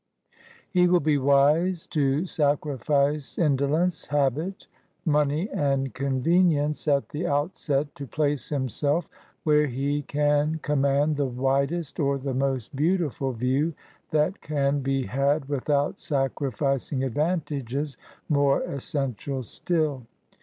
He will be wise to sacrifice indolence, habit, money and convenience, at the outset, to place himself where he can command the widest or the most beautiful view that can be had without sacrificing advantages more essen i tial still.